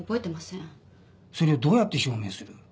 それをどうやって証明する？